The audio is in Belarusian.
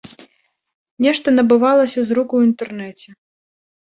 Нешта набывалася з рук у інтэрнэце.